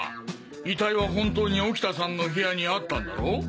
遺体は本当に沖田さんの部屋にあったんだろう？